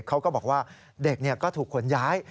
เขาก็บอกว่าเด็กก็ถูกขนย้าย